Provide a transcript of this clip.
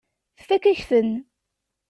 Tfakk-ak-ten.